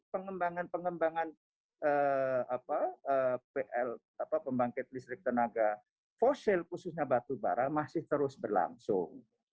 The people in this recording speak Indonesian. pengembangan pengembangan pl pembangkit listrik tenaga fosil khususnya batu bara masih terus berlangsung